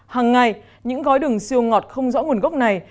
hàng ngày những gói đường siêu ngọt không rõ nguồn gốc này